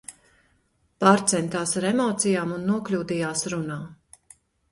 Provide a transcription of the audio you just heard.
Pārcentās ar emocijām un nokļūdījās runā!